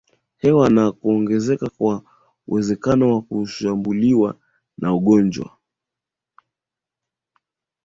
hewa na kuongezeka kwa uwezekano wa kushambuliwa na ugonjwa